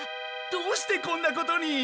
どうしてこんなことに？